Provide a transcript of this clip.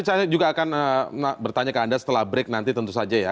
saya juga akan bertanya ke anda setelah break nanti tentu saja ya